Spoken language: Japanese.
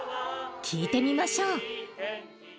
聞いてみましょう。